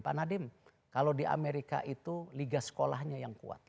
pak nadiem kalau di amerika itu liga sekolahnya yang kuat